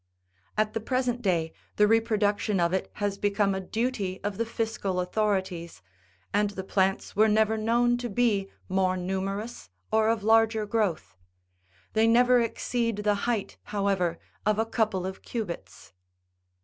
At the present day the reproduction of it has become a duty of the fiscal authorities, and the plants were never known to be more numerous or of larger growth ; they never exceed the height, however, of a couple of cubits.